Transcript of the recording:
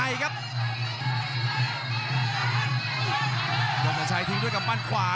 ยอสัญชัยทิ้งด้วยกับป้านขวา